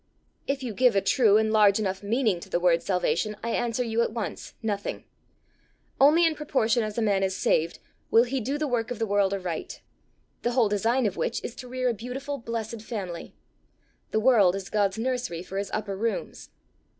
"If you give a true and large enough meaning to the word salvation, I answer you at once, Nothing. Only in proportion as a man is saved, will he do the work of the world aright the whole design of which is to rear a beautiful blessed family. The world is God's nursery for his upper rooms.